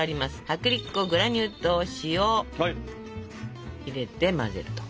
薄力粉グラニュー糖塩入れて混ぜると。